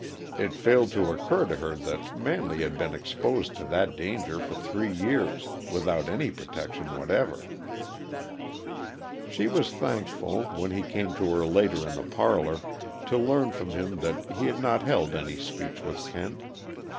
It failed to occur to her that Manley had been exposed to that danger for three years, without any protection whatever. She was thankful, when he came to her later in the parlor, to learn from him that he had not held any speech with Kent.